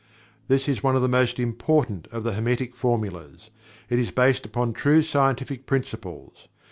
This is one of the most important of the Hermetic Formulas. It is based upon true scientific principles.